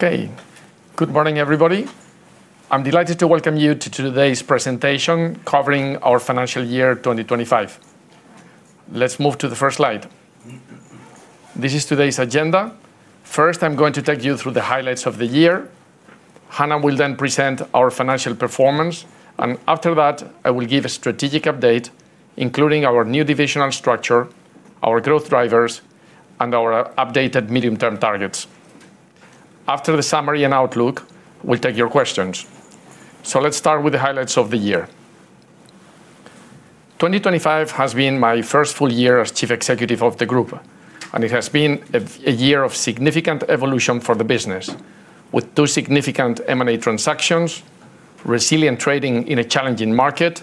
Good morning, everybody. I'm delighted to welcome you to today's presentation covering our financial year 2025. Let's move to the first slide. This is today's agenda. I'm going to take you through the highlights of the year. Hannah will then present our financial performance. After that, I will give a strategic update, including our new divisional structure, our growth drivers, and our updated medium-term targets. After the summary and outlook, we'll take your questions. Let's start with the highlights of the year. 2025 has been my first full year as Chief Executive of the group. It has been a year of significant evolution for the business with two significant M&A transactions, resilient trading in a challenging market,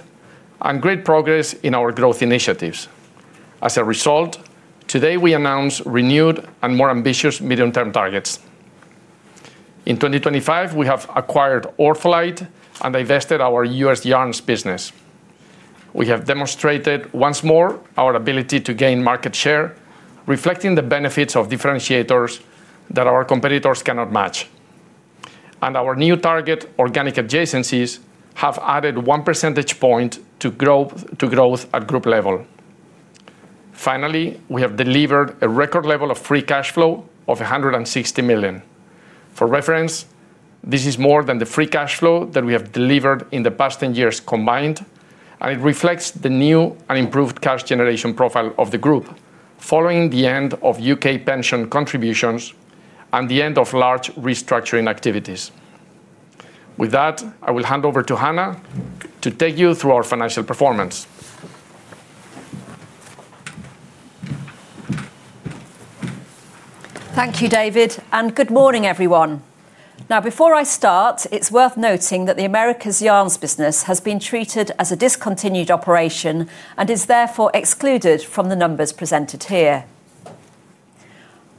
and great progress in our growth initiatives. As a result, today, we announce renewed and more ambitious medium-term targets. In 2025, we have acquired OrthoLite and divested our U.S. yarns business. We have demonstrated once more our ability to gain market share, reflecting the benefits of differentiators that our competitors cannot match. Our new target, organic adjacencies, have added 1 percentage point to growth at group level. Finally, we have delivered a record level of free cash flow of $160 million. For reference, this is more than the free cash flow that we have delivered in the past 10 years combined. It reflects the new and improved cash generation profile of the group following the end of U.K. pension contributions and the end of large restructuring activities. With that, I will hand over to Hannah to take you through our financial performance. Thank you, David. Good morning, everyone. Now, before I start, it's worth noting that the Americas yarns business has been treated as a discontinued operation and is therefore excluded from the numbers presented here.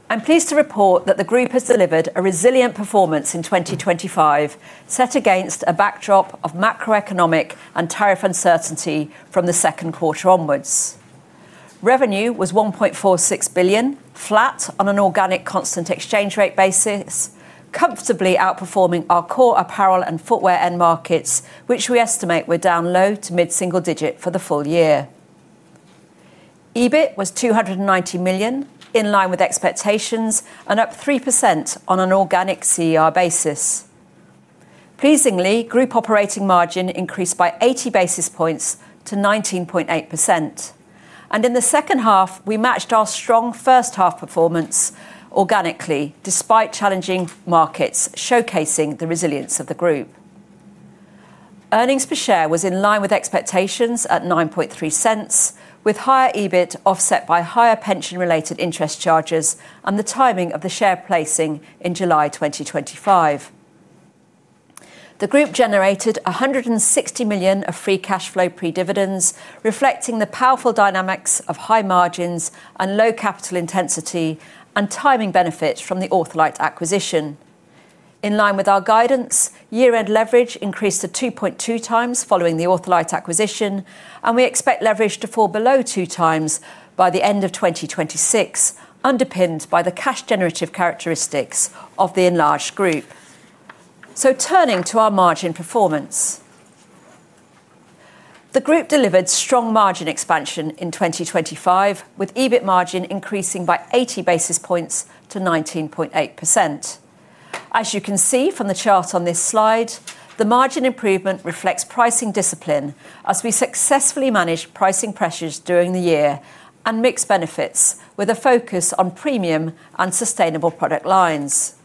I'm pleased to report that the group has delivered a resilient performance in 2025, set against a backdrop of macroeconomic and tariff uncertainty from the second quarter onwards. Revenue was $1.46 billion, flat on an organic constant exchange rate basis, comfortably outperforming our core Apparel and Footwear end markets, which we estimate were down low to mid-single-digit for the full year. EBIT was $290 million, in line with expectations and up 3% on an organic CER basis. Pleasingly, group operating margin increased by 80 basis points to 19.8%. In the second half, we matched our strong first half performance organically despite challenging markets showcasing the resilience of the group. Earnings per share was in line with expectations at $9.03, with higher EBIT offset by higher pension-related interest charges and the timing of the share placing in July 2025. The group generated $160 million of free cash flow pre-dividends, reflecting the powerful dynamics of high margins and low capital intensity and timing benefits from the OrthoLite acquisition. In line with our guidance, year-end leverage increased to 2.2x following the OrthoLite acquisition, and we expect leverage to fall below 2x by the end of 2026, underpinned by the cash generative characteristics of the enlarged group. Turning to our margin performance. The group delivered strong margin expansion in 2025, with EBIT margin increasing by 80 basis points to 19.8%. As you can see from the chart on this slide, the margin improvement reflects pricing discipline as we successfully manage pricing pressures during the year and mixed benefits with a focus on premium and sustainable product lines.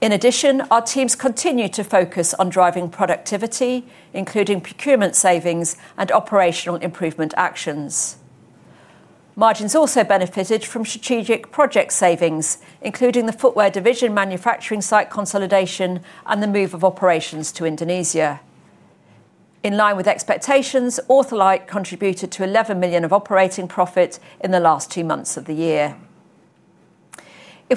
Our teams continue to focus on driving productivity, including procurement savings and operational improvement actions. Margins also benefited from strategic project savings, including the Footwear division manufacturing site consolidation and the move of operations to Indonesia. In line with expectations, OrthoLite contributed to $11 million of operating profit in the last two months of the year.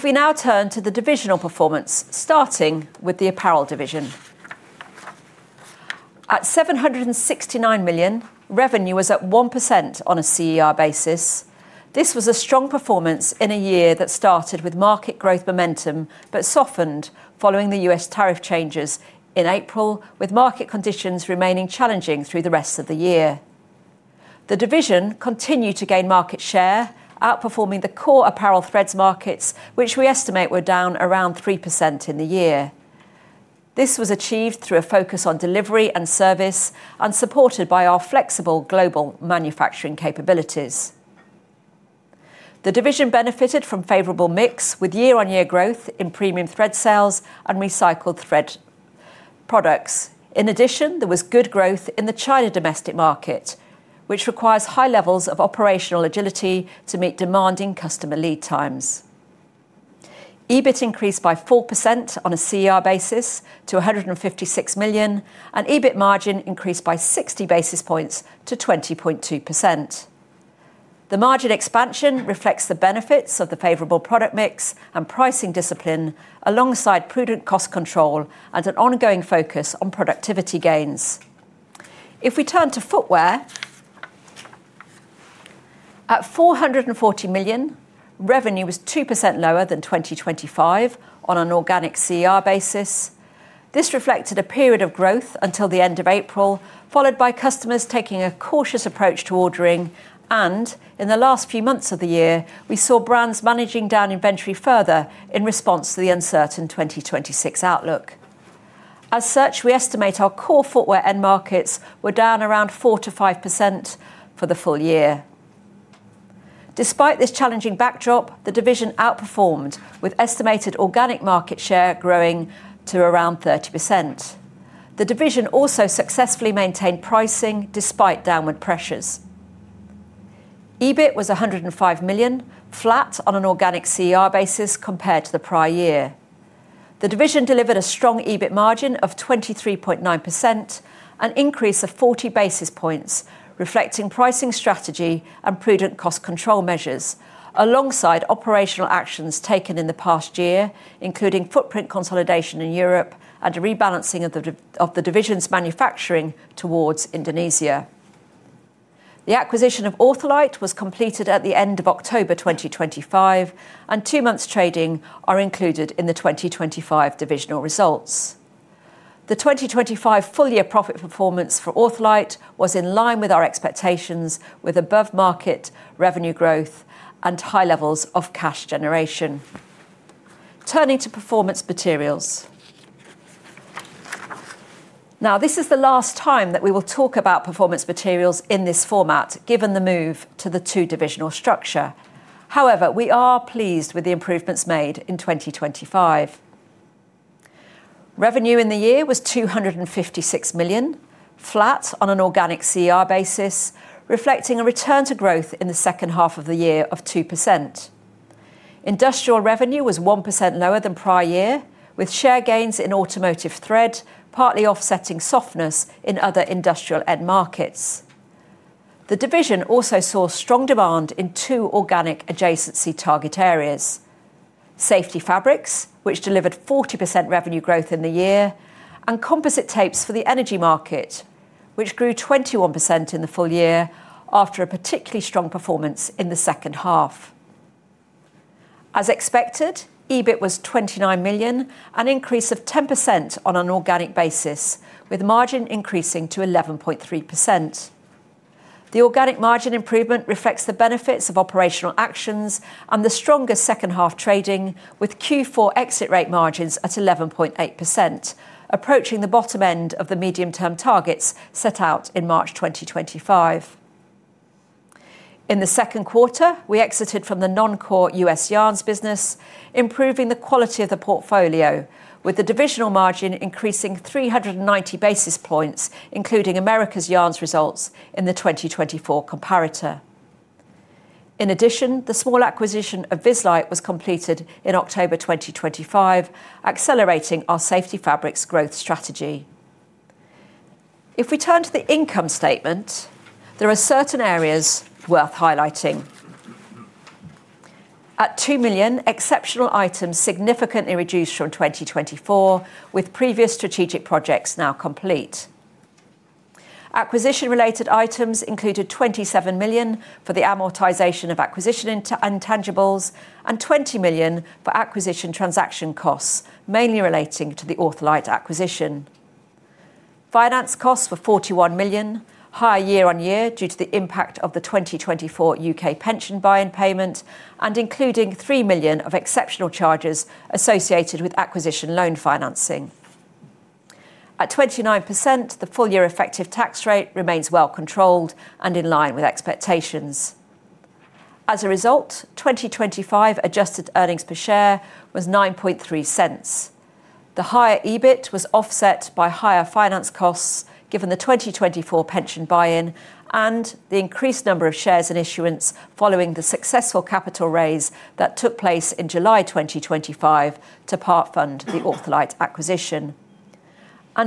We now turn to the divisional performance, starting with the Apparel division. At $769 million, revenue was at 1% on a CER basis. This was a strong performance in a year that started with market growth momentum but softened following the U.S. tariff changes in April, with market conditions remaining challenging through the rest of the year. The division continued to gain market share, outperforming the core apparel threads markets, which we estimate were down around 3% in the year. This was achieved through a focus on delivery and service and supported by our flexible global manufacturing capabilities. The division benefited from favorable mix with year-on-year growth in premium thread sales and recycled thread products. There was good growth in the China domestic market, which requires high levels of operational agility to meet demanding customer lead times. EBIT increased by 4% on a CER basis to $156 million, and EBIT margin increased by 60 basis points to 20.2%. The margin expansion reflects the benefits of the favorable product mix and pricing discipline alongside prudent cost control and an ongoing focus on productivity gains. If we turn to Footwear. At $440 million, revenue was 2% lower than 2025 on an organic CER basis. This reflected a period of growth until the end of April, followed by customers taking a cautious approach to ordering. In the last few months of the year, we saw brands managing down inventory further in response to the uncertain 2026 outlook. As such, we estimate our core footwear end markets were down around 4%-5% for the full year. Despite this challenging backdrop, the division outperformed with estimated organic market share growing to around 30%. The division also successfully maintained pricing despite downward pressures. EBIT was $105 million, flat on an organic CER basis compared to the prior year. The division delivered a strong EBIT margin of 23.9%, an increase of 40 basis points reflecting pricing strategy and prudent cost control measures alongside operational actions taken in the past year, including footprint consolidation in Europe and a rebalancing of the division's manufacturing towards Indonesia. The acquisition of OrthoLite was completed at the end of October 2025, and two months trading are included in the 2025 divisional results. The 2025 full-year profit performance for OrthoLite was in line with our expectations with above-market revenue growth and high levels of cash generation. Turning to Performance Materials. Now this is the last time that we will talk about Performance Materials in this format, given the move to the two divisional structure. We are pleased with the improvements made in 2025. Revenue in the year was $256 million, flat on an organic CER basis, reflecting a return to growth in the second half of the year of 2%. Industrial revenue was 1% lower than prior year, with share gains in automotive thread partly offsetting softness in other industrial end markets. The division also saw strong demand in two organic adjacency target areas. safety fabrics, which delivered 40% revenue growth in the year, and composite tapes for the energy market, which grew 21% in the full year after a particularly strong performance in the second half. As expected, EBIT was $29 million, an increase of 10% on an organic basis, with margin increasing to 11.3%. The organic margin improvement reflects the benefits of operational actions and the stronger second half trading with Q4 exit rate margins at 11.8%, approaching the bottom end of the medium-term targets set out in March 2025. In the second quarter, we exited from the non-core U.S. yarns business, improving the quality of the portfolio with the divisional margin increasing 390 basis points, including Americas yarns results in the 2024 comparator. The small acquisition of VizLite was completed in October 2025, accelerating our safety fabrics growth strategy. If we turn to the income statement, there are certain areas worth highlighting. At $2 million, exceptional items significantly reduced from 2024, with previous strategic projects now complete. Acquisition related items included $27 million for the amortization of acquisition intangibles and $20 million for acquisition transaction costs mainly relating to the OrthoLite acquisition. Finance costs were $41 million, higher year-on-year due to the impact of the 2024 U.K. pension buy-in payment and including $3 million of exceptional charges associated with acquisition loan financing. At 29%, the full-year effective tax rate remains well controlled and in line with expectations. As a result, 2025 adjusted earnings per share was $9.03. The higher EBIT was offset by higher finance costs given the 2024 pension buy-in and the increased number of shares and issuance following the successful capital raise that took place in July 2025 to part-fund the OrthoLite acquisition.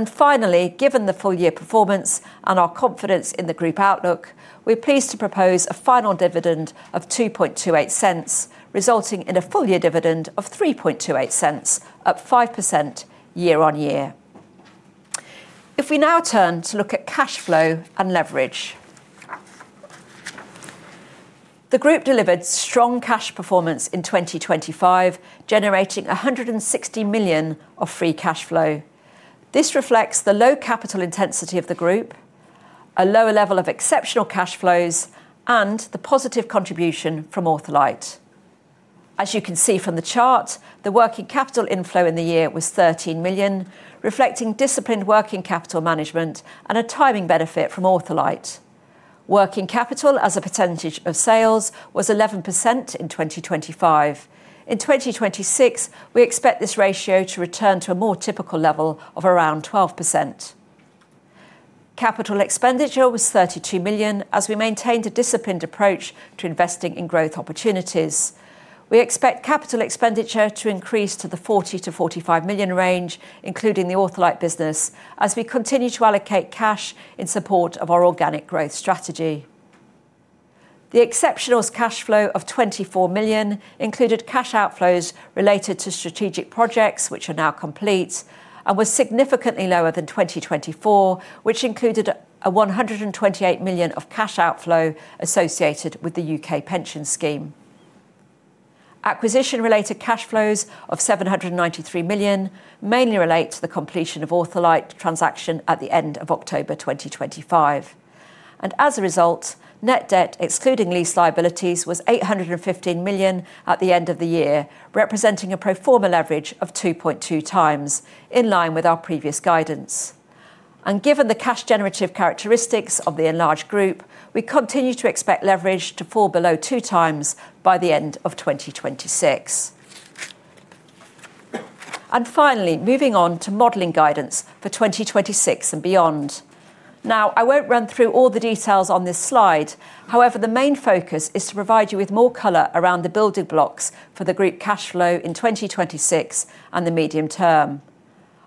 Finally, given the full-year performance and our confidence in the group outlook, we're pleased to propose a final dividend of $2.28, resulting in a full-year dividend of $3.28, up 5% year-on-year. We now turn to look at cash flow and leverage. The group delivered strong cash performance in 2025, generating $160 million of free cash flow. This reflects the low capital intensity of the group, a lower level of exceptional cash flows, and the positive contribution from OrthoLite. As you can see from the chart, the working capital inflow in the year was $13 million, reflecting disciplined working capital management and a timing benefit from OrthoLite. Working capital as a percentage of sales was 11% in 2025. In 2026, we expect this ratio to return to a more typical level of around 12%. Capital expenditure was $32 million as we maintained a disciplined approach to investing in growth opportunities. We expect capital expenditure to increase to the $40 million-$45 million range, including the OrthoLite business, as we continue to allocate cash in support of our organic growth strategy. The exceptionals cash flow of $24 million included cash outflows related to strategic projects, which are now complete and was significantly lower than 2024, which included a $128 million of cash outflow associated with the U.K. pension scheme. Acquisition related cash flows of $793 million mainly relate to the completion of OrthoLite transaction at the end of October 2025. As a result, net debt excluding lease liabilities was $815 million at the end of the year, representing a pro forma leverage of 2.2x, in line with our previous guidance. Given the cash generative characteristics of the enlarged group, we continue to expect leverage to fall below 2x by the end of 2026. Finally, moving on to modeling guidance for 2026 and beyond. Now, I won't run through all the details on this slide. However, the main focus is to provide you with more color around the building blocks for the group cash flow in 2026 and the medium term.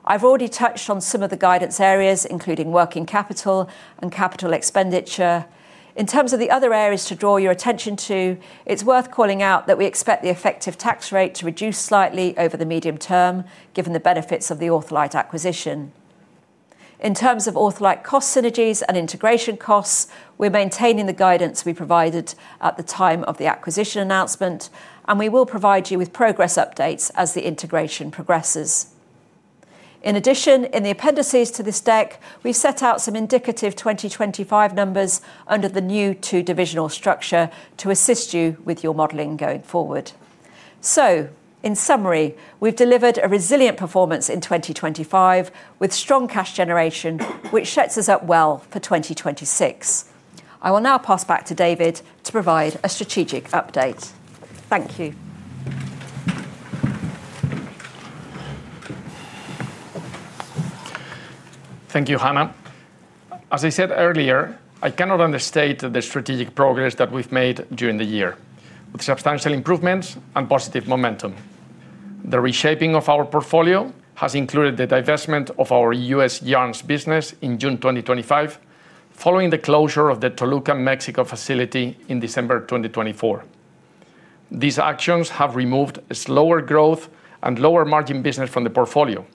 I've already touched on some of the guidance areas, including working capital and capital expenditure. In terms of the other areas to draw your attention to, it's worth calling out that we expect the effective tax rate to reduce slightly over the medium term, given the benefits of the OrthoLite acquisition. In terms of OrthoLite cost synergies and integration costs, we're maintaining the guidance we provided at the time of the acquisition announcement. We will provide you with progress updates as the integration progresses. In addition, in the appendices to this deck, we've set out some indicative 2025 numbers under the new two divisional structure to assist you with your modeling going forward. In summary, we've delivered a resilient performance in 2025 with strong cash generation, which sets us up well for 2026. I will now pass back to David to provide a strategic update. Thank you. Thank you, Hannah. As I said earlier, I cannot understate the strategic progress that we've made during the year, with substantial improvements and positive momentum. The reshaping of our portfolio has included the divestment of our U.S. yarns business in June 2025, following the closure of the Toluca, Mexico facility in December 2024. These actions have removed a slower growth and lower margin business from the portfolio.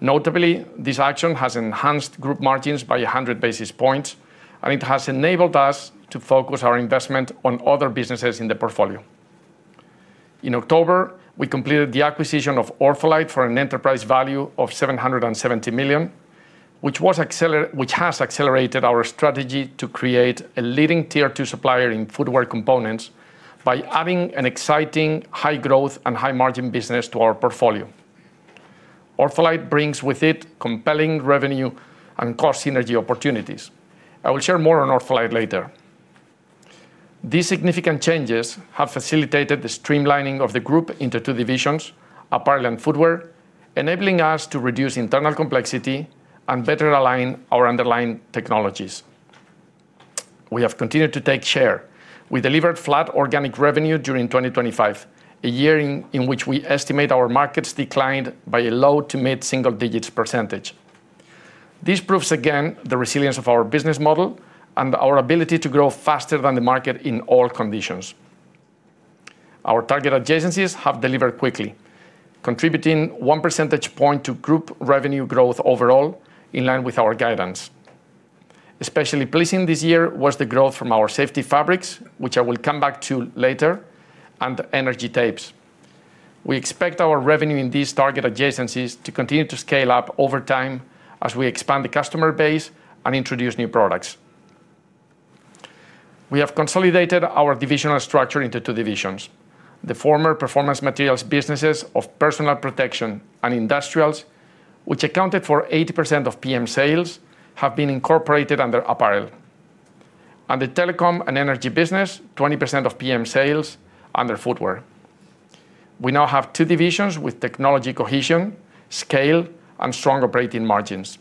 Notably, this action has enhanced group margins by 100 basis points, and it has enabled us to focus our investment on other businesses in the portfolio. In October, we completed the acquisition of OrthoLite for an enterprise value of $770 million, which has accelerated our strategy to create a leading Tier 2 supplier in footwear components by adding an exciting high growth and high margin business to our portfolio. OrthoLite brings with it compelling revenue and cost synergy opportunities. I will share more on OrthoLite later. These significant changes have facilitated the streamlining of the group into two divisions, Apparel and Footwear, enabling us to reduce internal complexity and better align our underlying technologies. We have continued to take share. We delivered flat organic revenue during 2025, a year in which we estimate our markets declined by a low to mid-single digits percentage. This proves again the resilience of our business model and our ability to grow faster than the market in all conditions. Our target adjacencies have delivered quickly, contributing 1 percentage point to group revenue growth overall in line with our guidance. Especially pleasing this year was the growth from our safety fabrics, which I will come back to later, and energy tapes. We expect our revenue in these target adjacencies to continue to scale up over time as we expand the customer base and introduce new products. We have consolidated our divisional structure into two divisions. The former Performance Materials businesses of personal protection and industrials, which accounted for 80% of PM sales, have been incorporated under Apparel. The telecom and energy business, 20% of PM sales, under Footwear. We now have two divisions with technology cohesion, scale, and strong operating margins.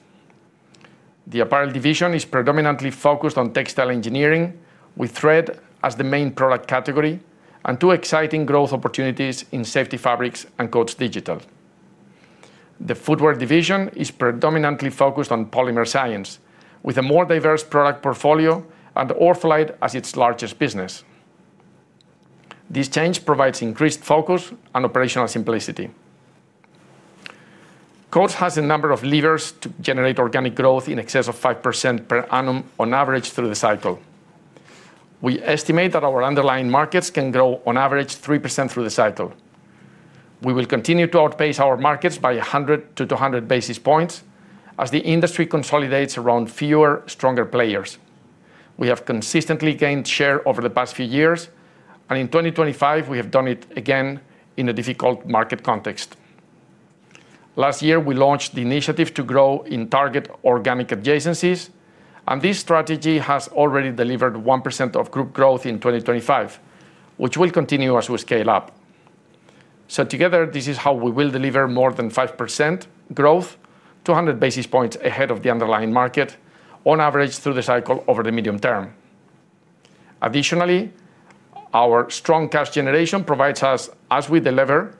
The Apparel Division is predominantly focused on textile engineering, with thread as the main product category and two exciting growth opportunities in safety fabrics and Coats Digital. The Footwear Division is predominantly focused on polymer science, with a more diverse product portfolio and OrthoLite as its largest business. This change provides increased focus and operational simplicity. Coats has a number of levers to generate organic growth in excess of 5% per annum on average through the cycle. We estimate that our underlying markets can grow on average 3% through the cycle. We will continue to outpace our markets by 100 basis points-200 basis points as the industry consolidates around fewer, stronger players. We have consistently gained share over the past few years, and in 2025, we have done it again in a difficult market context. Last year, we launched the initiative to grow in target organic adjacencies, and this strategy has already delivered 1% of group growth in 2025, which will continue as we scale up. Together, this is how we will deliver more than 5% growth, 200 basis points ahead of the underlying market on average through the cycle over the medium term. Additionally, our strong cash generation provides us, as we deliver,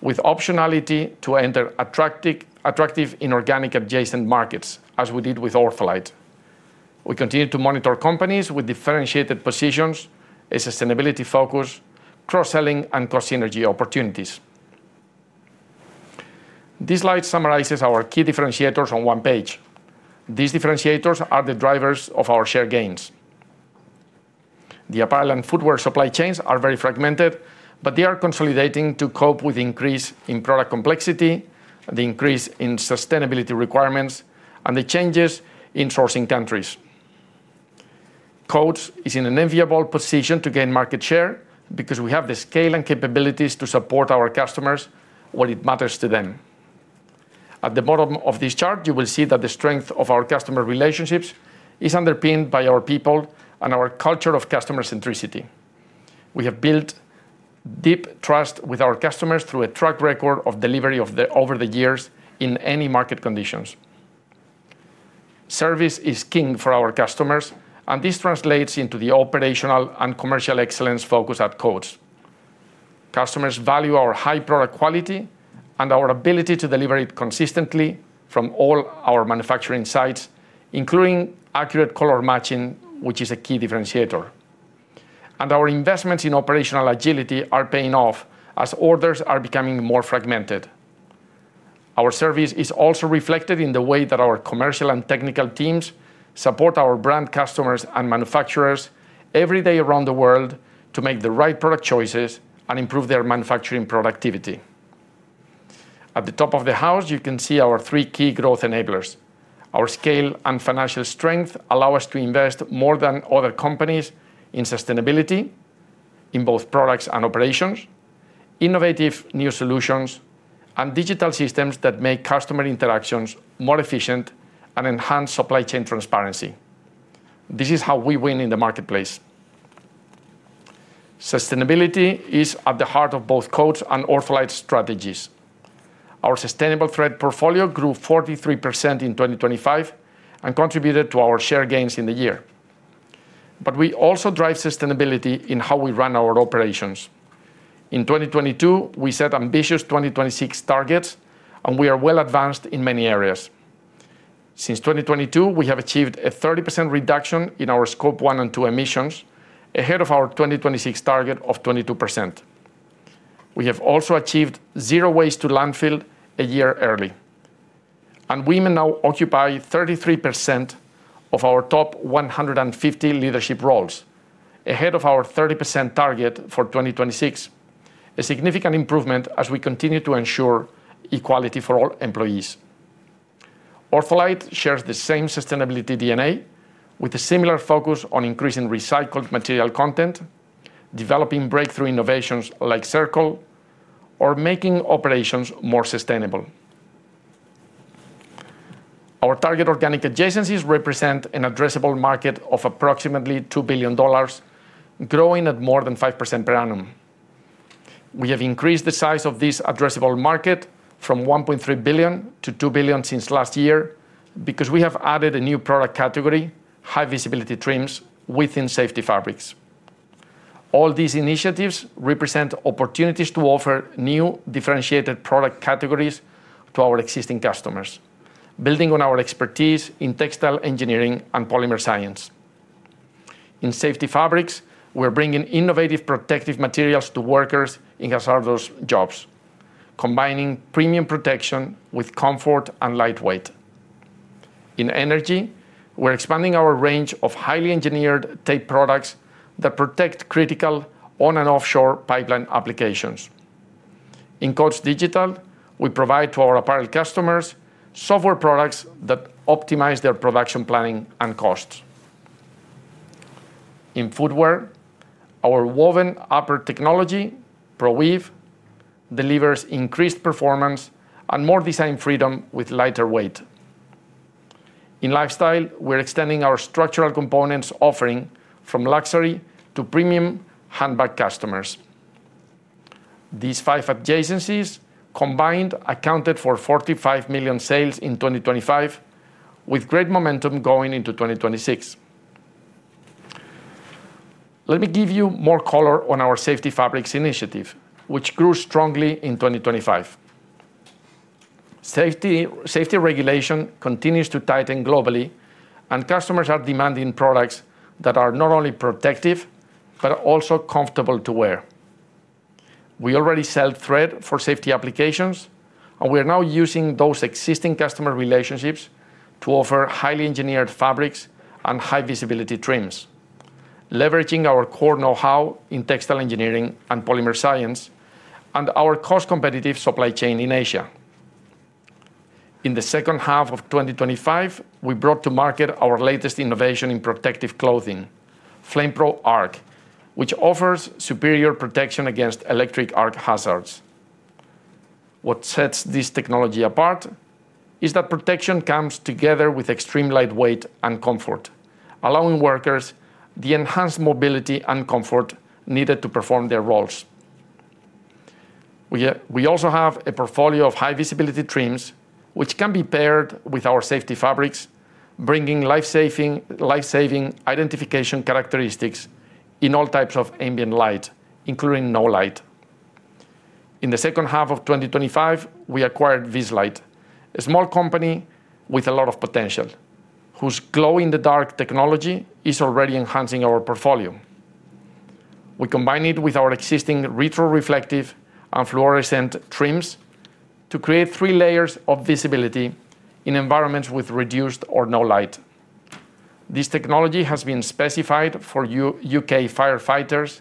with optionality to enter attractive inorganic adjacent markets, as we did with OrthoLite. We continue to monitor companies with differentiated positions, a sustainability focus, cross-selling, and cost synergy opportunities. This slide summarizes our key differentiators on one page. These differentiators are the drivers of our share gains. The apparel and footwear supply chains are very fragmented, but they are consolidating to cope with increase in product complexity, the increase in sustainability requirements, and the changes in sourcing countries. Coats is in an enviable position to gain market share because we have the scale and capabilities to support our customers where it matters to them. At the bottom of this chart, you will see that the strength of our customer relationships is underpinned by our people and our culture of customer centricity. We have built deep trust with our customers through a track record of delivery over the years in any market conditions. Service is king for our customers. This translates into the operational and commercial excellence focus at Coats. Customers value our high product quality and our ability to deliver it consistently from all our manufacturing sites, including accurate color matching, which is a key differentiator. Our investments in operational agility are paying off as orders are becoming more fragmented. Our service is also reflected in the way that our commercial and technical teams support our brand customers and manufacturers every day around the world to make the right product choices and improve their manufacturing productivity. At the top of the house, you can see our three key growth enablers. Our scale and financial strength allow us to invest more than other companies in sustainability in both products and operations, innovative new solutions, and digital systems that make customer interactions more efficient and enhance supply chain transparency. This is how we win in the marketplace. Sustainability is at the heart of both Coats and OrthoLite strategies. Our sustainable thread portfolio grew 43% in 2025 and contributed to our share gains in the year. We also drive sustainability in how we run our operations. In 2022, we set ambitious 2026 targets, and we are well advanced in many areas. Since 2022, we have achieved a 30% reduction in our Scope 1 and 2 emissions, ahead of our 2026 target of 22%. We have also achieved zero waste to landfill a year early. Women now occupy 33% of our top 150 leadership roles, ahead of our 30% target for 2026, a significant improvement as we continue to ensure equality for all employees. OrthoLite shares the same sustainability DNA with a similar focus on increasing recycled material content, developing breakthrough innovations like Cirql, or making operations more sustainable. Our target organic adjacencies represent an addressable market of approximately $2 billion, growing at more than 5% per annum. We have increased the size of this addressable market from $1.3 billion-$2 billion since last year because we have added a new product category, high visibility trims, within safety fabrics. All these initiatives represent opportunities to offer new differentiated product categories to our existing customers, building on our expertise in textile engineering and polymer science. In safety fabrics, we're bringing innovative protective materials to workers in hazardous jobs, combining premium protection with comfort and lightweight. In energy, we're expanding our range of highly engineered tape products that protect critical on and offshore pipeline applications. In Coats Digital, we provide to our apparel customers software products that optimize their production planning and costs. In footwear, our woven upper technology, ProWeave, delivers increased performance and more design freedom with lighter weight. In lifestyle, we're extending our structural components offering from luxury to premium handbag customers. These five adjacencies combined accounted for $45 million sales in 2025, with great momentum going into 2026. Let me give you more color on our safety fabrics initiative, which grew strongly in 2025. Safety regulation continues to tighten globally, customers are demanding products that are not only protective, but also comfortable to wear. We already sell thread for safety applications. We are now using those existing customer relationships to offer highly engineered fabrics and high visibility trims, leveraging our core know-how in textile engineering and polymer science and our cost-competitive supply chain in Asia. In the second half of 2025, we brought to market our latest innovation in protective clothing, FlamePro ARC, which offers superior protection against electric arc hazards. What sets this technology apart is that protection comes together with extreme lightweight and comfort, allowing workers the enhanced mobility and comfort needed to perform their roles. We also have a portfolio of high visibility trims which can be paired with our safety fabrics, bringing life-saving identification characteristics in all types of ambient light, including no light. In the second half of 2025, we acquired VizLite, a small company with a lot of potential, whose glow-in-the-dark technology is already enhancing our portfolio. We combine it with our existing retroreflective and fluorescent trims to create three layers of visibility in environments with reduced or no light. This technology has been specified for U.K. firefighters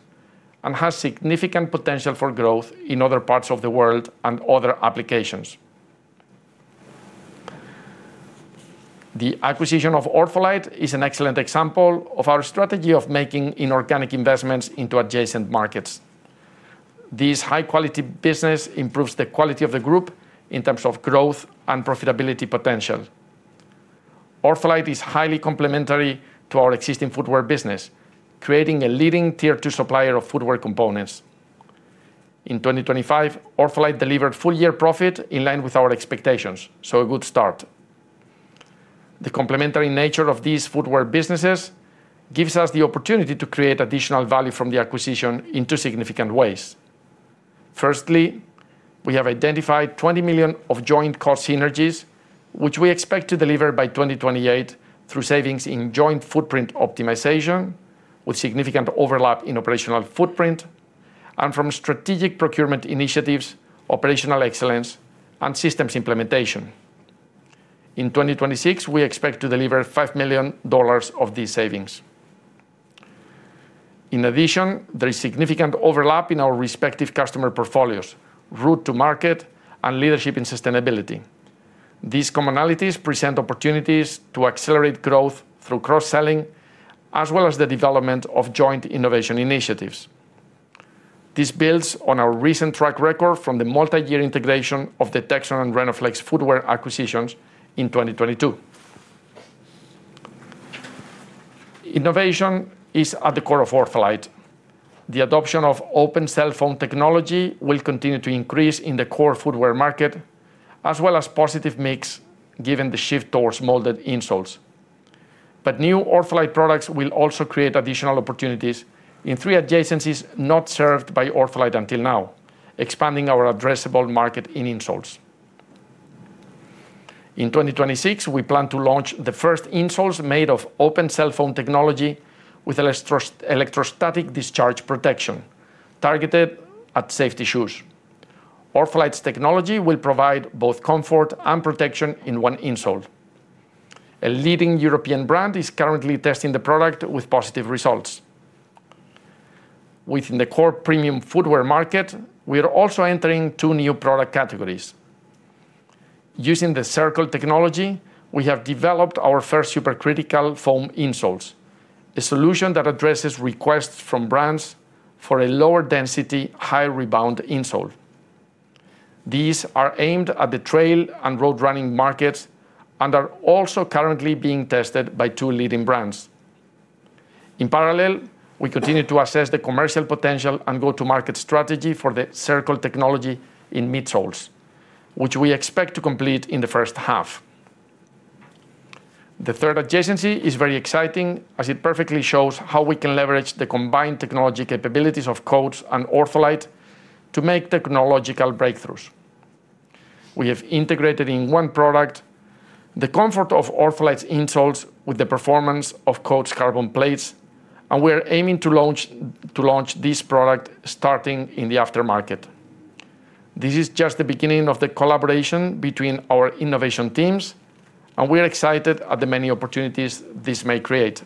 and has significant potential for growth in other parts of the world and other applications. The acquisition of OrthoLite is an excellent example of our strategy of making inorganic investments into adjacent markets. This high-quality business improves the quality of the group in terms of growth and profitability potential. OrthoLite is highly complementary to our existing footwear business, creating a leading Tier 2 supplier of footwear components. In 2025, OrthoLite delivered full-year profit in line with our expectations, so a good start. The complementary nature of these footwear businesses gives us the opportunity to create additional value from the acquisition in two significant ways. Firstly, we have identified $20 million of joint cost synergies, which we expect to deliver by 2028 through savings in joint footprint optimization, with significant overlap in operational footprint, and from strategic procurement initiatives, operational excellence, and systems implementation. In 2026, we expect to deliver $5 million of these savings. In addition, there is significant overlap in our respective customer portfolios, route to market, and leadership in sustainability. These commonalities present opportunities to accelerate growth through cross-selling, as well as the development of joint innovation initiatives. This builds on our recent track record from the multi-year integration of the Texon and Rhenoflex footwear acquisitions in 2022. Innovation is at the core of OrthoLite. The adoption of open cell foam technology will continue to increase in the core footwear market, as well as positive mix, given the shift towards molded insoles. New OrthoLite products will also create additional opportunities in three adjacencies not served by OrthoLite until now, expanding our addressable market in insoles. In 2026, we plan to launch the first insoles made of open cell foam technology with electrostatic discharge protection, targeted at safety shoes. OrthoLite's technology will provide both comfort and protection in one insole. A leading European brand is currently testing the product with positive results. Within the core premium footwear market, we are also entering two new product categories. Using the Cirql technology, we have developed our first supercritical foam insoles, a solution that addresses requests from brands for a lower density, high rebound insole. These are aimed at the trail and road running markets and are also currently being tested by two leading brands. In parallel, we continue to assess the commercial potential and go-to-market strategy for the Cirql technology in midsoles, which we expect to complete in the first half. The third adjacency is very exciting as it perfectly shows how we can leverage the combined technology capabilities of Coats and OrthoLite to make technological breakthroughs. We have integrated in one product the comfort of OrthoLite's insoles with the performance of Coats' carbon plates, and we're aiming to launch this product starting in the aftermarket. This is just the beginning of the collaboration between our innovation teams, and we are excited at the many opportunities this may create.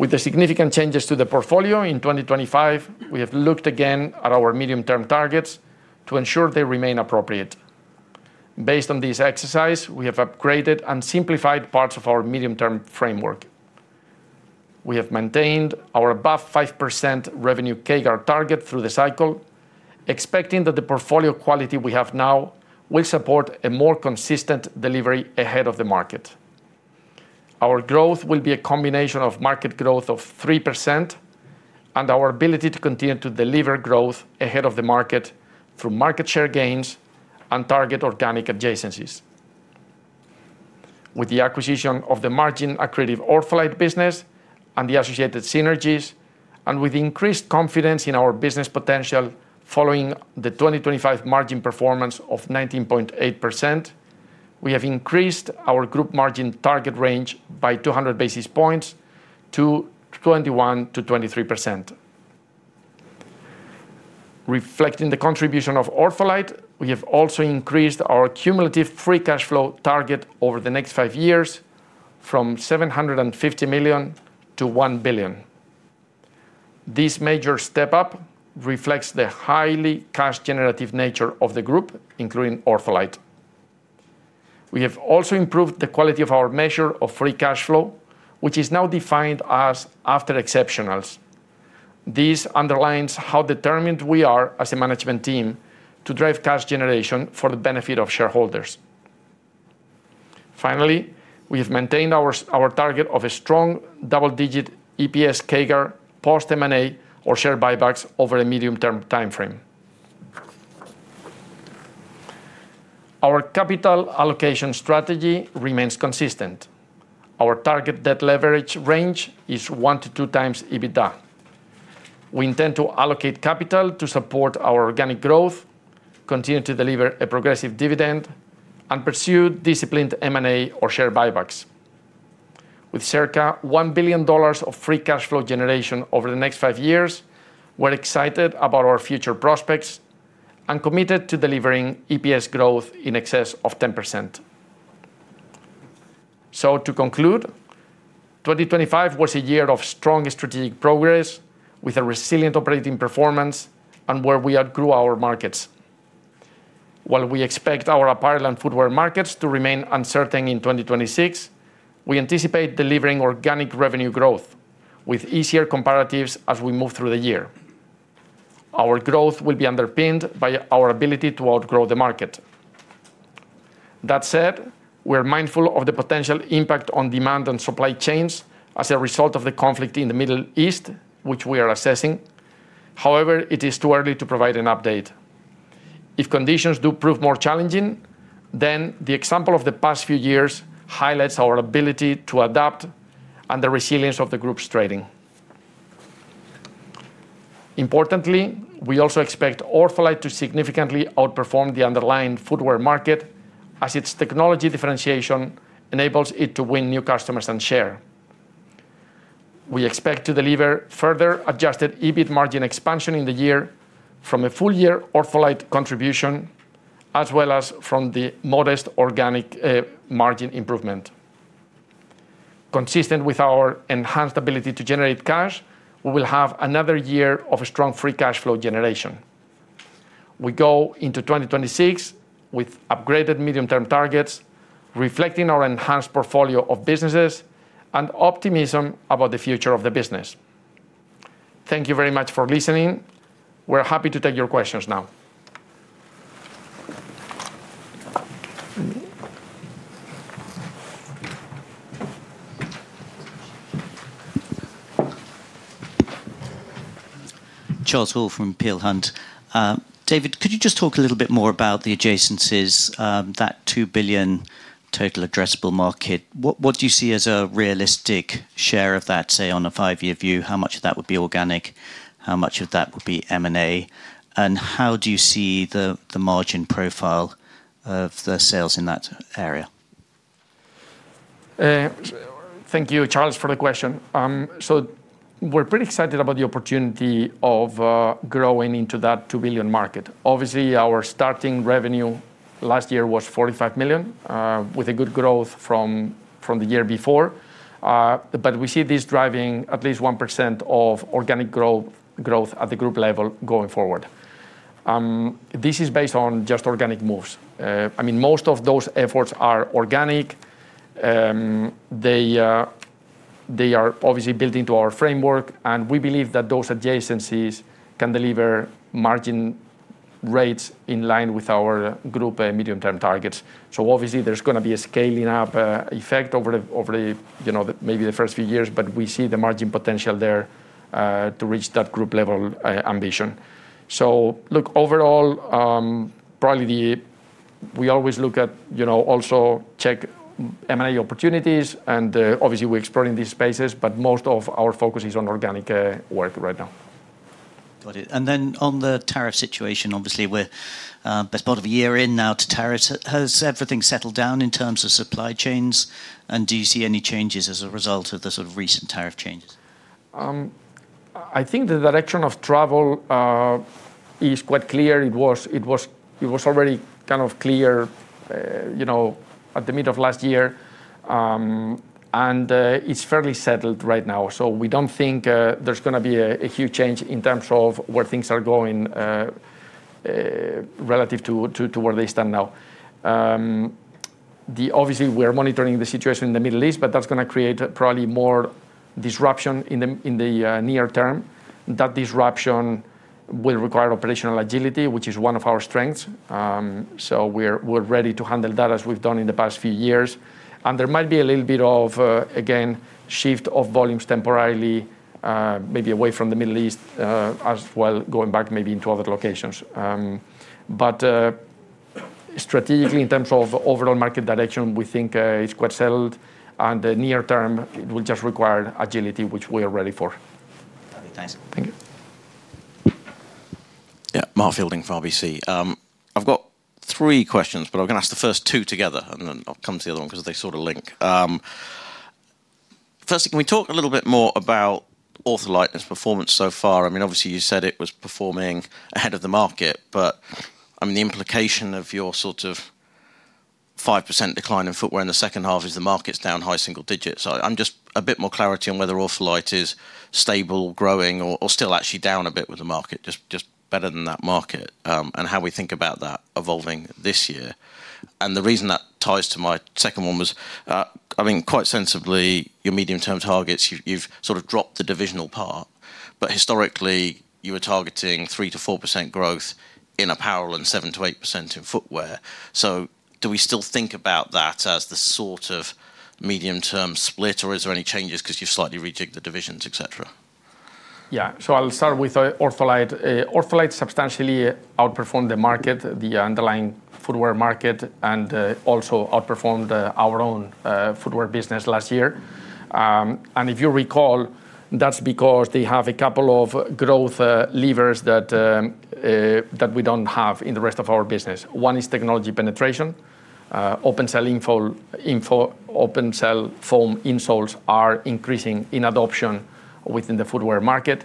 With the significant changes to the portfolio in 2025, we have looked again at our medium-term targets to ensure they remain appropriate. Based on this exercise, we have upgraded and simplified parts of our medium-term framework. We have maintained our above 5% revenue CAGR target through the cycle, expecting that the portfolio quality we have now will support a more consistent delivery ahead of the market. Our growth will be a combination of market growth of 3% and our ability to continue to deliver growth ahead of the market through market share gains and target organic adjacencies. With the acquisition of the margin accretive OrthoLite business and the associated synergies, and with increased confidence in our business potential following the 2025 margin performance of 19.8%, we have increased our group margin target range by 200 basis points to 21%-23%. Reflecting the contribution of OrthoLite, we have also increased our cumulative free cash flow target over the next five years from $750 million-$1 billion. This major step up reflects the highly cash generative nature of the group, including OrthoLite. We have also improved the quality of our measure of free cash flow, which is now defined as after exceptionals. This underlines how determined we are as a management team to drive cash generation for the benefit of shareholders. We have maintained our target of a strong double-digit EPS CAGR, post M&A or share buybacks over a medium-term timeframe. Our capital allocation strategy remains consistent. Our target debt leverage range is 1x to 2x EBITDA. We intend to allocate capital to support our organic growth, continue to deliver a progressive dividend, and pursue disciplined M&A or share buybacks. With circa $1 billion of free cash flow generation over the next five years, we're excited about our future prospects and committed to delivering EPS growth in excess of 10%. To conclude, 2025 was a year of strong strategic progress, with a resilient operating performance and where we outgrew our markets. While we expect our apparel and footwear markets to remain uncertain in 2026, we anticipate delivering organic revenue growth with easier comparatives as we move through the year. Our growth will be underpinned by our ability to outgrow the market. That said, we're mindful of the potential impact on demand and supply chains as a result of the conflict in the Middle East, which we are assessing. However, it is too early to provide an update. If conditions do prove more challenging, the example of the past few years highlights our ability to adapt and the resilience of the group's trading. Importantly, we also expect OrthoLite to significantly outperform the underlying footwear market, as its technology differentiation enables it to win new customers and share. We expect to deliver further adjusted EBIT margin expansion in the year from a full year OrthoLite contribution, as well as from the modest organic margin improvement. Consistent with our enhanced ability to generate cash, we will have another year of strong free cash flow generation. We go into 2026 with upgraded medium-term targets, reflecting our enhanced portfolio of businesses and optimism about the future of the business. Thank you very much for listening. We're happy to take your questions now. Charles Hall from Peel Hunt. David, could you just talk a little bit more about the adjacencies, that $2 billion total addressable market? What do you see as a realistic share of that, say, on a five-year view? How much of that would be organic? How much of that would be M&A? How do you see the margin profile of the sales in that area? Thank you, Charles, for the question. We're pretty excited about the opportunity of growing into that $2 billion market. Obviously, our starting revenue last year was $45 million with a good growth from the year before. We see this driving at least 1% of organic growth at the group level going forward. This is based on just organic moves. I mean, most of those efforts are organic. They are obviously built into our framework, and we believe that those adjacencies can deliver margin rates in line with our group medium term targets. Obviously there's gonna be a scaling up effect over the, you know, the maybe the first few years, but we see the margin potential there to reach that group level ambition. Look, overall, we always look at, you know, also check M&A opportunities and, obviously we're exploring these spaces, but most of our focus is on organic work right now. Got it. Then on the tariff situation, obviously we're best part of a year in now to tariffs. Has everything settled down in terms of supply chains? Do you see any changes as a result of the sort of recent tariff changes? I think the direction of travel is quite clear. It was already kind of clear, you know, at the mid of last year, and it's fairly settled right now. We don't think there's gonna be a huge change in terms of where things are going relative to where they stand now. Obviously we are monitoring the situation in the Middle East, but that's gonna create probably more disruption in the near term. That disruption will require operational agility, which is one of our strengths. We're ready to handle that as we've done in the past few years. There might be a little bit of, again, shift of volumes temporarily, maybe away from the Middle East, as well going back maybe into other locations. But, strategically, in terms of overall market direction, we think it's quite settled. The near term, it will just require agility, which we are ready for. Okay, thanks. Thank you. Yeah. Mark Fielding from RBC. I've got three questions, but I'm gonna ask the first two together, and then I'll come to the other one 'cause they sort of link. Firstly, can we talk a little bit more about OrthoLite and its performance so far? I mean, obviously you said it was performing ahead of the market, but I mean, the implication of your sort of 5% decline in footwear in the second half is the market's down high single digits. I'm just a bit more clarity on whether OrthoLite is stable, growing or still actually down a bit with the market, just better than that market, and how we think about that evolving this year. The reason that ties to my second one was, I mean, quite sensibly, your medium-term targets, you've sort of dropped the divisional part, but historically you were targeting 3%-4% growth in Apparel and 7%-8% in Footwear. Do we still think about that as the sort of medium-term split, or is there any changes because you've slightly rejigged the divisions, et cetera? I'll start with OrthoLite. OrthoLite substantially outperformed the market, the underlying footwear market, and also outperformed our own footwear business last year. If you recall, that's because they have a couple of growth levers that we don't have in the rest of our business. One is technology penetration, open cell foam insoles are increasing in adoption within the footwear market.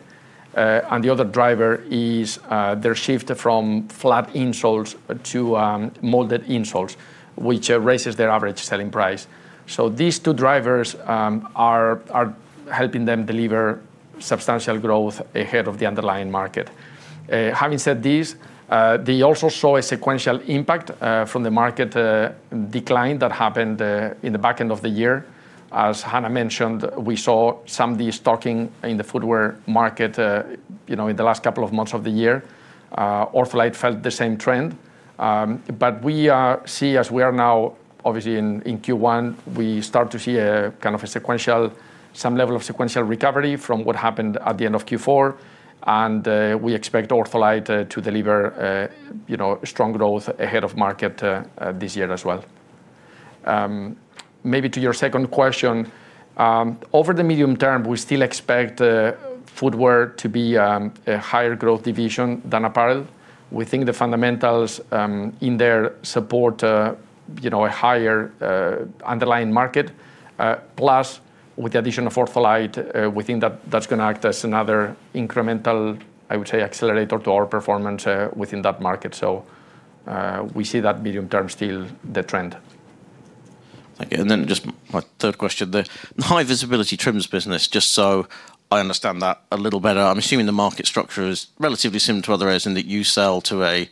The other driver is their shift from flat insoles to molded insoles, which raises their average selling price. These two drivers are helping them deliver substantial growth ahead of the underlying market. Having said this, they also saw a sequential impact from the market decline that happened in the back end of the year. As Hannah mentioned, we saw some of the stocking in the footwear market, you know, in the last couple of months of the year. OrthoLite felt the same trend. As we are now, obviously in Q1, we start to see some level of sequential recovery from what happened at the end of Q4, and we expect OrthoLite to deliver, you know, strong growth ahead of market this year as well. Maybe to your second question, over the medium term, we still expect footwear to be a higher growth division than apparel. We think the fundamentals, in there support, you know, a higher, underlying market, plus with the addition of OrthoLite, we think that that's gonna act as another incremental, I would say, accelerator to our performance, within that market. We see that medium term still the trend. Thank you. Just my third question there. The high visibility trims business, just so I understand that a little better, I'm assuming the market structure is relatively similar to others in that you sell to a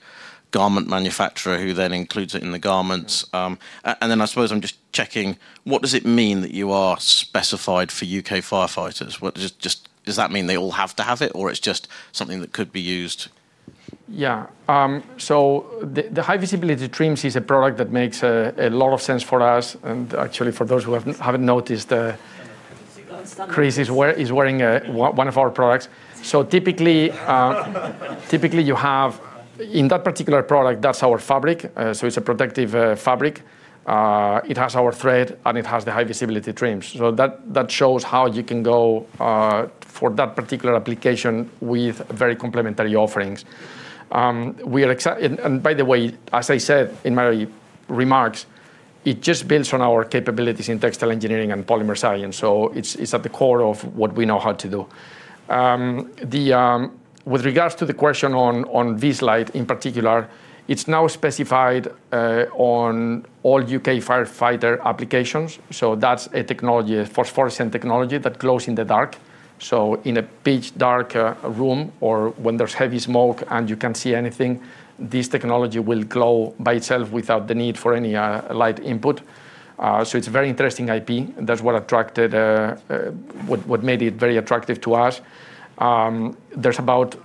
garment manufacturer who then includes it in the garments. I suppose I'm just checking, what does it mean that you are specified for U.K. firefighters? What does that mean they all have to have it or it's just something that could be used? Yeah. The high visibility trims is a product that makes a lot of sense for us. Actually for those who haven't noticed, Chris is wearing one of our products. Typically you have. In that particular product, that's our fabric. So it's a protective fabric. It has our thread, and it has the high visibility trims. That shows how you can go for that particular application with very complementary offerings. By the way, as I said in my remarks, it just builds on our capabilities in textile engineering and polymer science, so it's at the core of what we know how to do. With regards to the question on this slide in particular, it's now specified on all U.K. firefighter applications, so that's a technology, phosphorescent technology that glows in the dark. So in a pitch dark room or when there's heavy smoke and you can't see anything, this technology will glow by itself without the need for any light input. So it's a very interesting IP. That's what attracted what made it very attractive to us. There's about,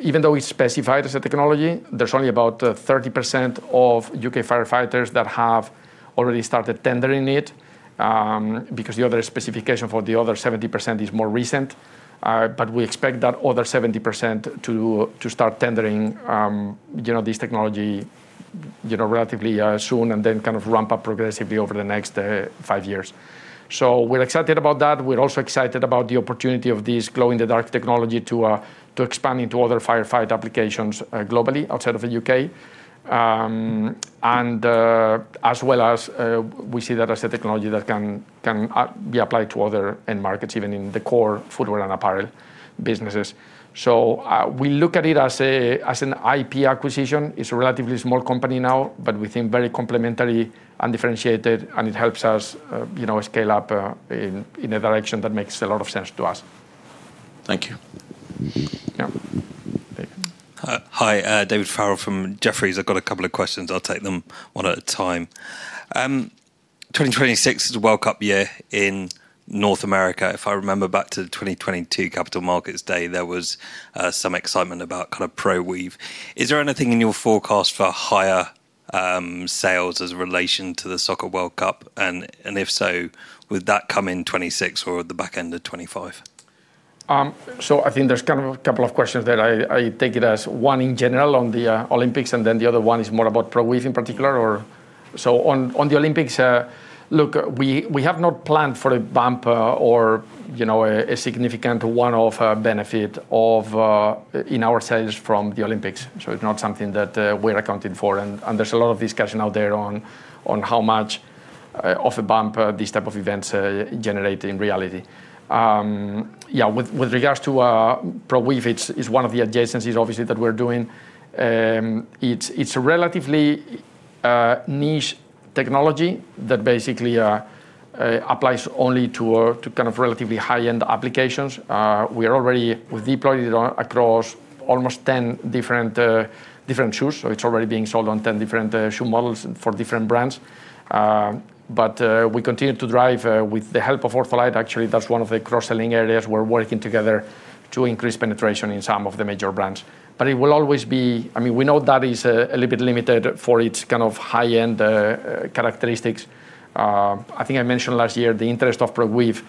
even though we specified as a technology, there's only about 30% of U.K. firefighters that have already started tendering it, because the other specification for the other 70% is more recent. We expect that other 70% to start tendering, you know, this technology, you know, relatively soon and then kind of ramp up progressively over the next five years. We're excited about that. We're also excited about the opportunity of this glow-in-the-dark technology to expand into other firefighter applications globally outside of the U.K. As well as, we see that as a technology that can be applied to other end markets, even in the core footwear and apparel businesses. We look at it as a, as an IP acquisition. It's a relatively small company now, but we think very complementary and differentiated, and it helps us, you know, scale up in a direction that makes a lot of sense to us. Thank you. Yeah. Thank you. Hi, David Farrell from Jefferies. I've got a couple of questions. I'll take them one at a time. 2026 is a World Cup year in North America. If I remember back to the 2022 Capital Markets Day, there was some excitement about kind of ProWeave. Is there anything in your forecast for higher sales as a relation to the Soccer World Cup? If so, would that come in 2026 or the back end of 2025? I think there's kind of a couple of questions there. I take it as one in general on the Olympics. The other one is more about ProWeave in particular or... On the Olympics, look, we have not planned for a bump, or, you know, a significant one-off benefit in our sales from the Olympics. It's not something that we're accounting for. There's a lot of discussion out there on how much of a bump these type of events generate in reality. Yeah, with regards to ProWeave, it's one of the adjacencies obviously that we're doing. It's a relatively niche technology that basically applies only to kind of relatively high-end applications. We've deployed it on across almost 10 different shoes, so it's already being sold on 10 different shoe models for different brands. We continue to drive with the help of OrthoLite, actually, that's one of the cross-selling areas we're working together to increase penetration in some of the major brands. It will always be. I mean, we know that is a little bit limited for its kind of high-end characteristics. I think I mentioned last year the interest of ProWeave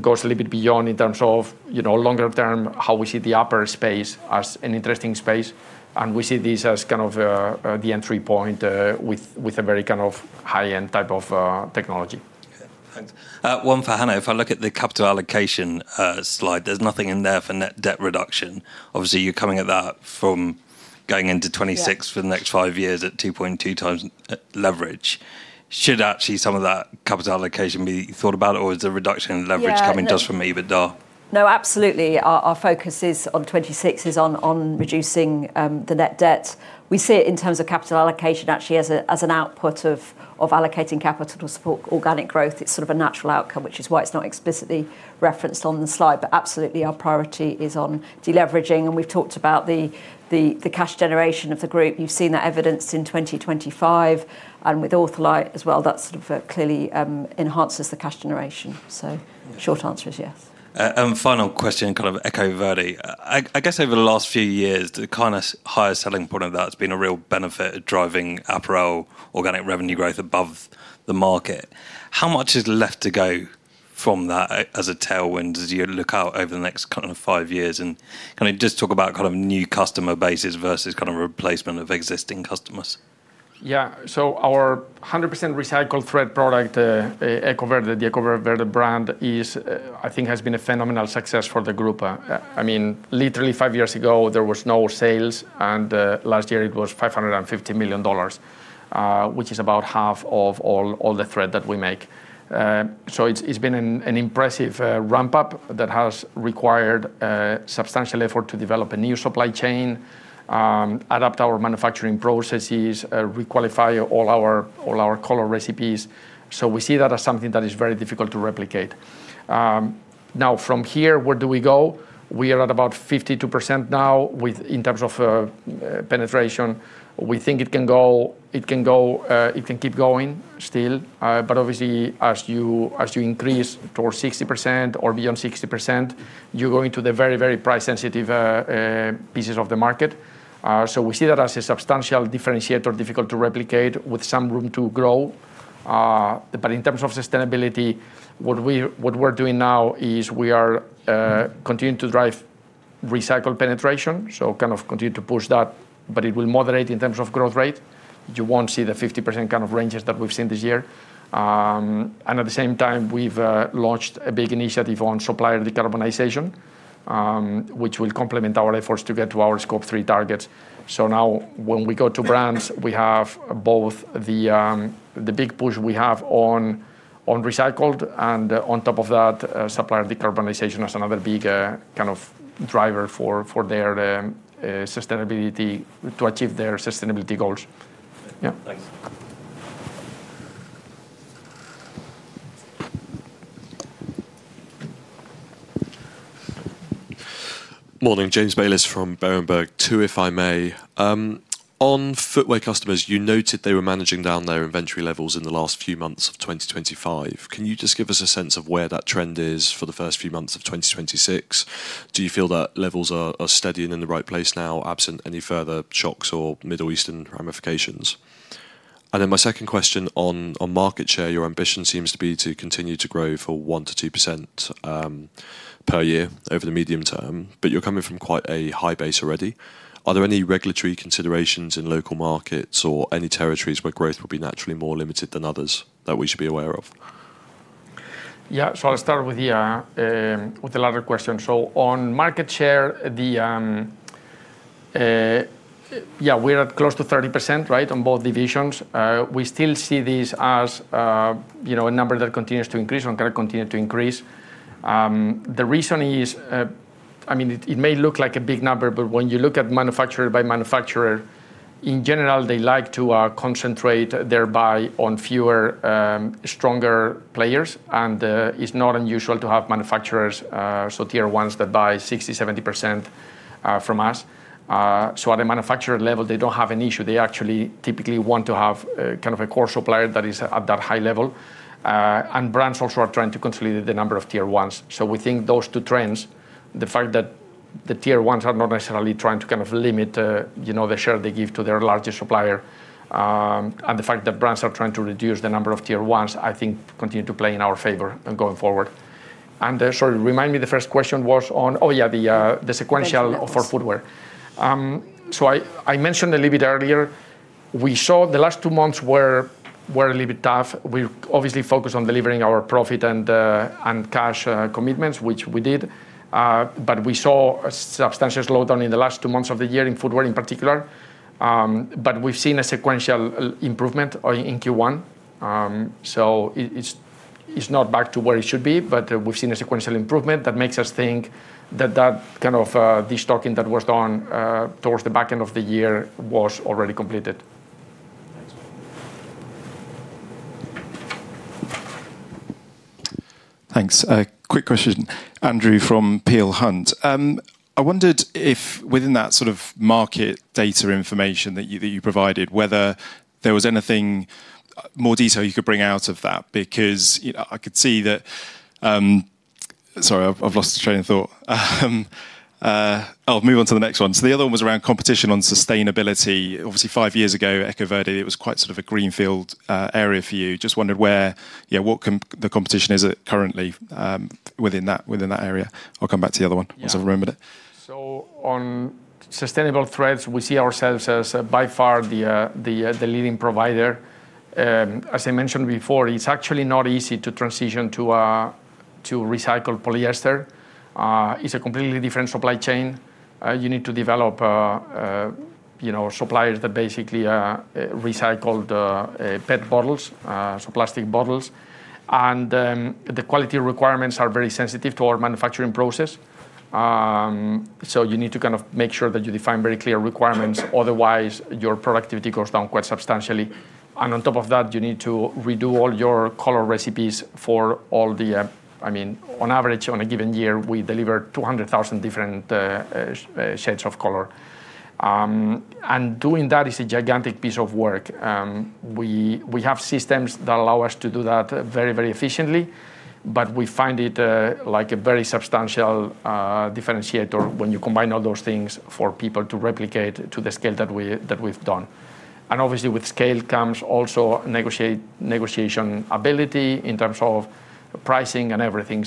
goes a little bit beyond in terms of, you know, longer term, how we see the upper space as an interesting space, and we see this as kind of the entry point with a very kind of high-end type of technology. Okay, thanks. One for Hannah. If I look at the capital allocation, slide, there's nothing in there for net debt reduction. Obviously, you're coming at that from going into 2026 Yeah... for the next five years at 2.2x leverage. Should actually some of that capital allocation be thought about, or is the reduction in leverage... Yeah. coming just from EBITDA? No, absolutely. Our focus is on 2026, is on reducing the net debt. We see it in terms of capital allocation actually as an output of allocating capital to support organic growth. It's sort of a natural outcome, which is why it's not explicitly referenced on the slide. Absolutely our priority is on deleveraging, and we've talked about the cash generation of the group. You've seen that evidenced in 2025. With OrthoLite as well, that sort of clearly enhances the cash generation. Short answer is yes. Final question, kind of EcoVerde, I guess over the last few years, the kind of highest selling point of that's been a real benefit of driving apparel organic revenue growth above the market. How much is left to go from that as a tailwind as you look out over the next kind of five years, and can you just talk about kind of new customer bases versus kind of replacement of existing customers? Yeah. Our 100% recycled thread product, EcoVerde, the EcoVerde brand, is I think has been a phenomenal success for the group. I mean, literally five years ago, there was no sales, and last year it was $550 million, which is about half of all the thread that we make. It's been an impressive ramp-up that has required substantial effort to develop a new supply chain, adapt our manufacturing processes, re-qualify all our color recipes. We see that as something that is very difficult to replicate. Now from here, where do we go? We are at about 52% now with, in terms of, penetration. We think it can go, it can keep going still. Obviously, as you increase towards 60% or beyond 60%, you go into the very, very price sensitive pieces of the market. We see that as a substantial differentiator, difficult to replicate, with some room to grow. In terms of sustainability, what we're doing now is we are continuing to drive recycled penetration, so kind of continue to push that, but it will moderate in terms of growth rate. You won't see the 50% kind of ranges that we've seen this year. At the same time, we've launched a big initiative on supplier decarbonization, which will complement our efforts to get to our Scope 3 targets. Now when we go to brands, we have both the big push we have on recycled and on top of that, supplier decarbonization as another big kind of driver for their sustainability, to achieve their sustainability goals. Thanks. Morning, James Bayliss from Berenberg. Two, if I may. On footwear customers, you noted they were managing down their inventory levels in the last few months of 2025. Can you just give us a sense of where that trend is for the first few months of 2026? Do you feel that levels are steady and in the right place now, absent any further shocks or Middle Eastern ramifications? My second question on market share, your ambition seems to be to continue to grow for 1%-2% per year over the medium term, but you're coming from quite a high base already. Are there any regulatory considerations in local markets or any territories where growth will be naturally more limited than others that we should be aware of? I'll start with the latter question. On market share, we're at close to 30%, right, on both divisions. We still see this as, you know, a number that continues to increase and can continue to increase. The reason is, I mean, it may look like a big number, but when you look at manufacturer by manufacturer, in general, they like to concentrate thereby on fewer, stronger players. It's not unusual to have manufacturers, so Tier 1s that buy 60%, 70% from us. At a manufacturer level, they don't have an issue. They actually typically want to have a kind of a core supplier that is at that high level. Brands also are trying to consolidate the number of Tier 1s. We think those two trends, the fact that the Tier 1s are not necessarily trying to kind of limit, you know, the share they give to their largest supplier, and the fact that brands are trying to reduce the number of Tier 1s, I think continue to play in our favor going forward. Sorry, remind me, the first question was on the sequential... Inventory levels... for footwear. I mentioned a little bit earlier, we saw the last two months were a little bit tough. We obviously focused on delivering our profit and cash commitments, which we did. We saw a substantial slowdown in the last two months of the year in footwear in particular. We've seen a sequential improvement in Q1. It's not back to where it should be, but we've seen a sequential improvement that makes us think that kind of the stocking that was done towards the back end of the year was already completed. Thanks. Thanks. Quick question. Andrew from Peel Hunt. I wondered if within that sort of market data information that you provided, whether there was anything more detail you could bring out of that, because I could see that... Sorry, I've lost the train of thought. I'll move on to the next one. The other one was around competition on sustainability. Obviously, five years ago, EcoVerde, it was quite sort of a greenfield area for you. Just wondered where, yeah, what the competition is it currently within that area. I'll come back to the other one, Yeah... once I've remembered it. On sustainable threads, we see ourselves as, by far, the, the leading provider. As I mentioned before, it's actually not easy to transition to recycle polyester. It's a completely different supply chain. You need to develop, you know, suppliers that basically, recycle the, PET bottles, so plastic bottles. The quality requirements are very sensitive to our manufacturing process. So you need to kind of make sure that you define very clear requirements, otherwise your productivity goes down quite substantially. On top of that, you need to redo all your color recipes for all the... I mean, on average, on a given year, we deliver 200,000 different, shades of color. And doing that is a gigantic piece of work. We, we have systems that allow us to do that very, very efficiently, but we find it like a very substantial differentiator when you combine all those things for people to replicate to the scale that we, that we've done. Obviously with scale comes also negotiation ability in terms of pricing and everything.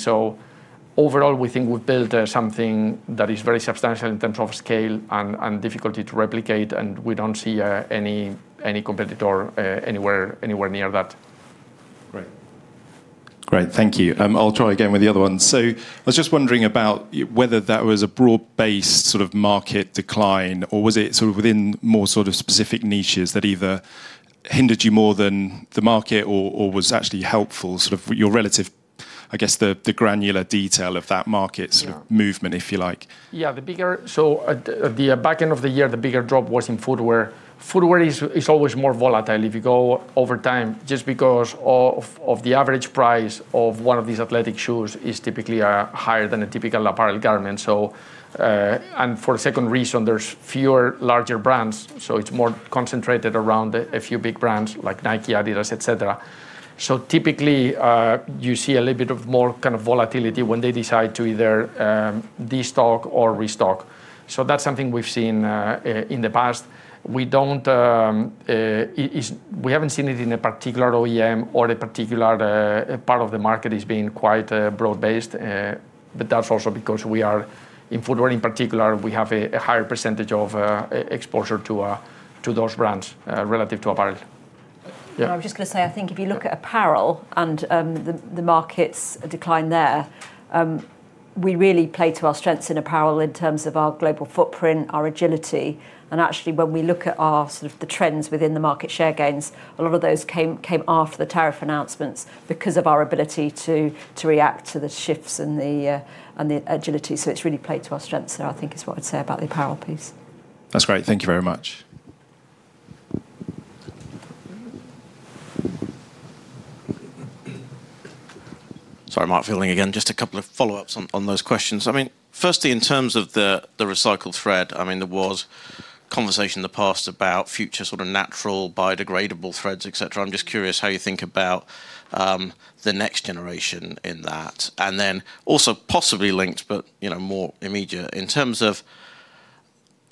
Overall, we think we've built something that is very substantial in terms of scale and difficulty to replicate, and we don't see any competitor anywhere near that. Great. Great. Thank you. I'll try again with the other one. I was just wondering about whether that was a broad-based sort of market decline, or was it sort of within more sort of specific niches that either hindered you more than the market or was actually helpful, sort of your relative, I guess the granular detail of that market sort of movement, if you like? At the back end of the year, the bigger drop was in footwear. Footwear is always more volatile if you go over time, just because of the average price of one of these athletic shoes is typically higher than a typical apparel garment. For a second reason, there's fewer larger brands, so it's more concentrated around a few big brands like Nike, adidas, et cetera. Typically, you see a little bit of more kind of volatility when they decide to either destock or restock. That's something we've seen in the past. We don't, we haven't seen it in a particular OEM or a particular part of the market as being quite broad-based. That's also because we are, in footwear in particular, we have a higher percentage of exposure to those brands relative to apparel. I was just gonna say, I think if you look at apparel and the market's decline there, we really play to our strengths in apparel in terms of our global footprint, our agility. Actually, when we look at our sort of the trends within the market share gains, a lot of those came after the tariff announcements because of our ability to react to the shifts and the agility. It's really played to our strengths there, I think is what I'd say about the apparel piece. That's great. Thank you very much. Sorry, Mark Fielding again. Just a couple of follow-ups on those questions. I mean, firstly, in terms of the recycled thread, I mean, there was conversation in the past about future sort of natural biodegradable threads, et cetera. I'm just curious how you think about the next generation in that. Then also possibly linked, but, you know, more immediate. In terms of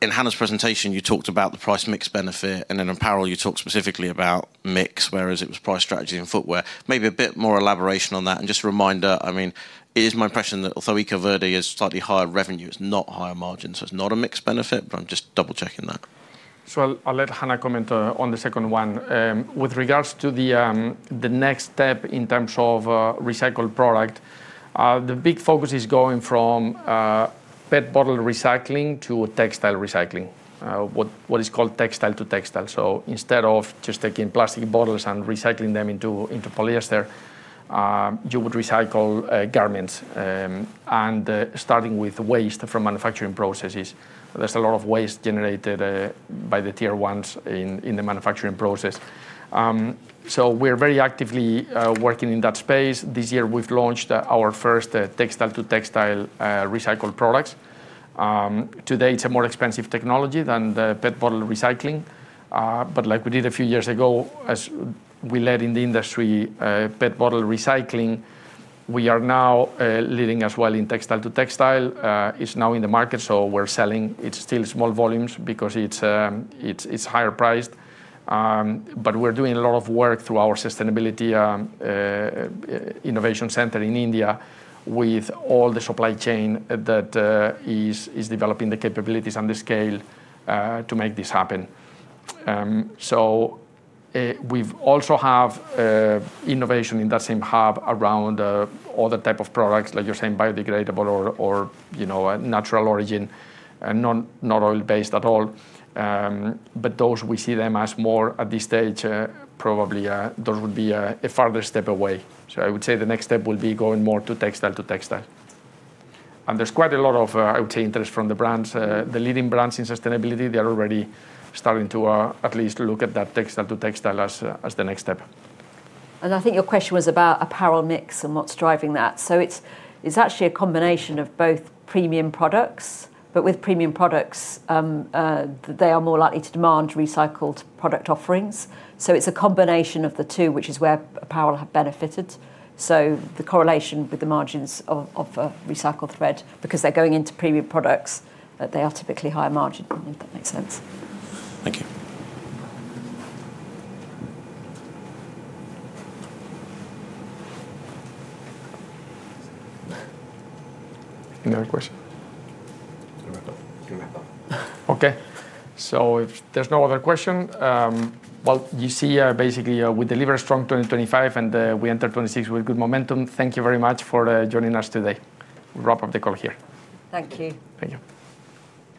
in Hannah's presentation, you talked about the price mix benefit, and then in apparel you talked specifically about mix, whereas it was price strategy and footwear. Maybe a bit more elaboration on that. Just a reminder, I mean, it is my impression that although EcoVerde is slightly higher revenue, it's not higher margin, so it's not a mixed benefit, but I'm just double-checking that. I'll let Hannah comment on the second one. With regards to the next step in terms of recycled product, the big focus is going from PET bottle recycling to textile recycling. What is called textile-to-textile. Instead of just taking plastic bottles and recycling them into polyester, you would recycle garments, and starting with waste from manufacturing processes. There's a lot of waste generated by the Tier 1s in the manufacturing process. We're very actively working in that space. This year, we've launched our first textile-to-textile recycled products. Today, it's a more expensive technology than the PET bottle recycling. Like we did a few years ago, as we led in the industry, PET bottle recycling, we are now leading as well in textile-to-textile. It's now in the market, so we're selling. It's still small volumes because it's higher priced. We're doing a lot of work through our sustainability, innovation center in India with all the supply chain that is developing the capabilities and the scale to make this happen. We've also have innovation in that same hub around other type of products, like you're saying, biodegradable or, you know, natural origin and not oil-based at all. Those, we see them as more at this stage, probably, those would be a farther step away. I would say the next step will be going more to textile-to-textile. There's quite a lot of, I would say interest from the brands. The leading brands in sustainability, they're already starting to, at least look at that textile-to-textile as the next step. I think your question was about apparel mix and what's driving that. It's actually a combination of both premium products, but with premium products, they are more likely to demand recycled product offerings. It's a combination of the two, which is where apparel have benefited. The correlation with the margins of a recycled thread, because they're going into premium products, that they are typically higher margin, if that makes sense. Thank you. Another question? No, I'm done. I'm done. Okay. If there's no other question, well, you see, basically, we deliver strong 2025, and we enter 2026 with good momentum. Thank you very much for joining us today. We'll wrap up the call here. Thank you. Thank you.